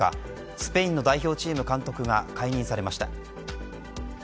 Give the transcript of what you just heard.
スペインの代表チーム監督が解任されました。